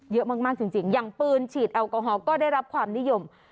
เยอะมากจริงอย่างปืนฉีดแอลกอฮอลก็ได้รับความนิยม